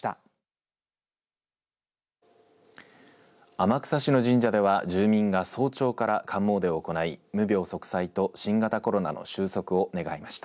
天草市の神社では住民が早朝から寒詣でを行い、無病息災と新型コロナの収束を願いました。